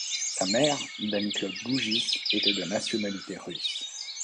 Sa mère, Dany-Claude Gougis, était de nationalité russe.